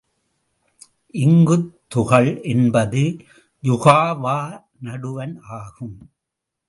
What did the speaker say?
இங்குத் துகள் என்பது யுகாவா நடுவன் ஆகும்.